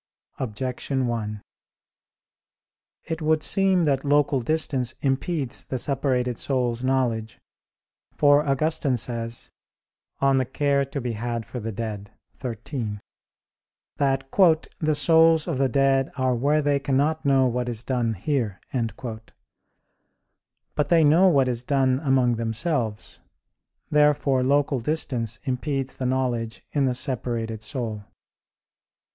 Objection 1: It would seem that local distance impedes the separated soul's knowledge. For Augustine says (De Cura pro Mort. xiii), that "the souls of the dead are where they cannot know what is done here." But they know what is done among themselves. Therefore local distance impedes the knowledge in the separated soul.